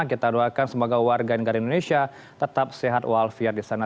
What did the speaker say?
kita doakan semoga warga negara indonesia tetap sehat walfiat di sana